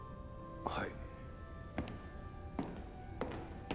はい。